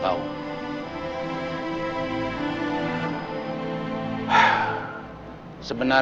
tapi kau tidak tau kan